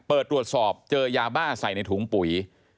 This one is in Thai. ตรวจสอบเจอยาบ้าใส่ในถุงปุ๋ย